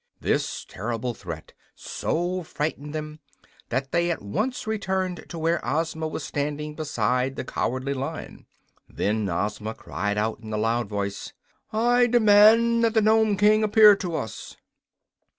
This terrible threat so frightened them that they at once returned to where Ozma was standing beside the Cowardly Lion. Then Ozma cried out in a loud voice: "I demand that the Nome King appear to us!"